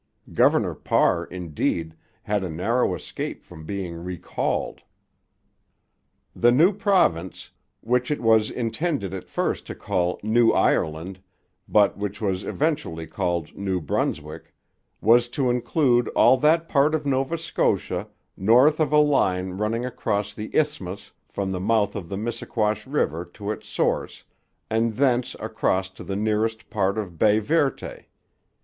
Governor Parr, indeed, had a narrow escape from being recalled. The new province, which it was intended at first to call New Ireland, but which was eventually called New Brunswick, was to include all that part of Nova Scotia north of a line running across the isthmus from the mouth of the Missiquash river to its source, and thence across to the nearest part of Baie Verte.